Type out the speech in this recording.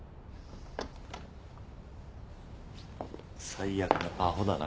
最悪のアホだな。